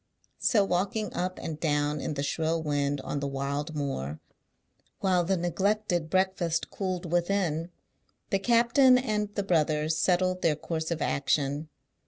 So walking up and down in the shrill wind on the wild moor, while the neglected breakfast cooled within, the captain and the brothers settled their course of action.